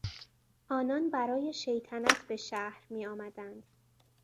آنان برای شیطنت به شهر میآمدند.